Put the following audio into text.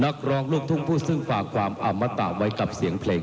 นักร้องลูกทุ่งผู้ซึ่งฝากความอมตะไว้กับเสียงเพลง